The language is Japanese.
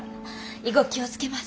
以後気を付けます。